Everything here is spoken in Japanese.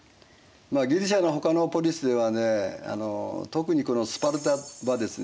ギリシアのほかのポリスではね特にスパルタはですね